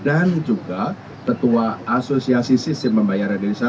dan juga ketua asosiasi sistem pembayaran badesa